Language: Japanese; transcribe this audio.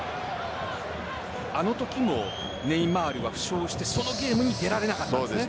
あのときもネイマールは負傷してそのゲームに出られなかったですね。